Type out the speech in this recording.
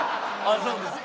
そうですか。